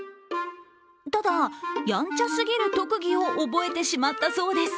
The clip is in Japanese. ただ、やんちゃすぎる特技を覚えてしまったそうです。